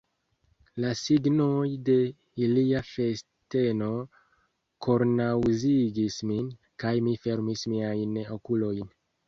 La signoj de ilia festeno kornaŭzigis min, kaj mi fermis miajn okulojn.